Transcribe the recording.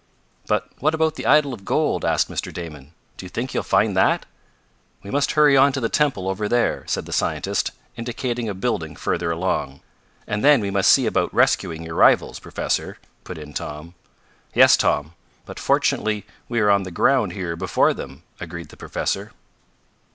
"But what about the idol of gold?" asked Mr. Damon, "Do you think you'll find that?" "We must hurry on to the temple over there," said the scientist, indicating a building further along. "And then we must see about rescuing your rivals, Professor," put in Tom. "Yes, Tom. But fortunately we are on the ground here before them," agreed the professor.